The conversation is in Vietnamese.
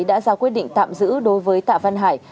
đã ra quyết định tạm giữ đối với tạ văn hải